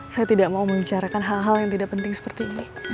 saya tidak mau membicarakan hal hal yang tidak penting seperti ini